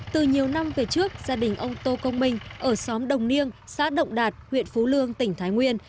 từ nhiều năm về trước gia đình ông tô công minh ở xóm đồng niêng xã động đạt huyện phú lương tỉnh thái nguyên